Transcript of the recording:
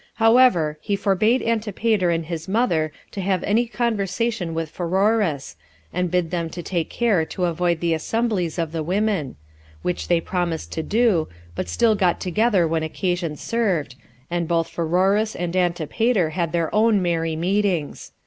However, he forbade Antipater and his mother to have any conversation with Pheroras, and bid them to take care to avoid the assemblies of the women; which they promised to do, but still got together when occasion served, and both Ptieroras and Antipater had their own merry meetings.